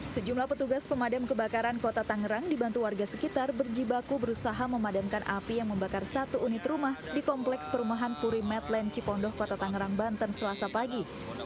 sejumlah petugas pemadam kebakaran kota tangerang dibantu warga sekitar berjibaku berusaha memadamkan api yang membakar satu unit rumah di kompleks perumahan purimetland cipondoh kota tangerang banten selasa pagi